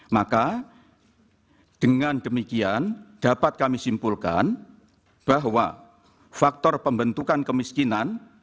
maka dengan demikian dapat kami simpulkan bahwa faktor pembentukan kemiskinan